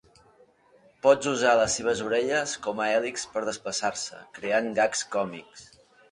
Pot usar les seves orelles com a hèlix per desplaçar-se, creant gags còmics.